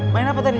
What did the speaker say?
main apa tadi